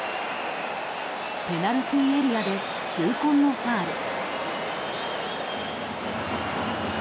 ペナルティーエリアで痛恨のファウル。